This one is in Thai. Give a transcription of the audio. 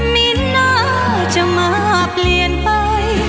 มีหน้าจะมาเปลี่ยนไป